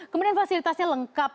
kemudian fasilitasnya lengkap